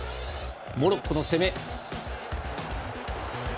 モロッコの攻め。